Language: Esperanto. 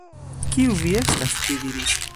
"Kiu vi estas?" ĝi diris.